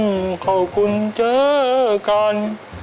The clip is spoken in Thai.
คนบรรทุ่มเข้าคุณเจอกัน